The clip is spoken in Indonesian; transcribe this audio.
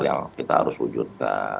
yang kita harus wujudkan